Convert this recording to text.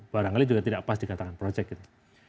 barangkali juga tidak pas dikatakan projek gitu